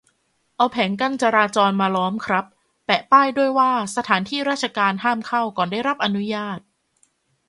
เอาแผงกั้นจราจรมาล้อมครับ แปะป้ายด้วยว่าสถานที่ราชการห้ามเข้าก่อนได้รับอนุญาต